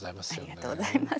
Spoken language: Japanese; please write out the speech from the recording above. ありがとうございます。